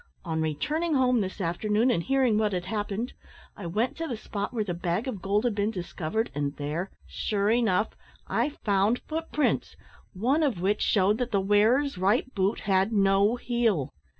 On returning home this afternoon, and hearing what had happened, I went to the spot where the bag of gold had been discovered, and there, sure enough, I found footprints, one of which shewed that the wearer's right boot had no heel.